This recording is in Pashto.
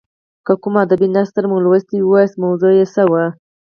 که کوم ادبي نثر مو لوستی وي ووایاست موضوع یې څه وه.